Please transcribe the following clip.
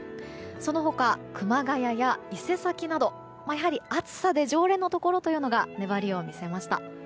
その他、熊谷や伊勢崎などやはり、暑さで常連のところが粘りを見せました。